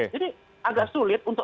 jadi agak sulit untuk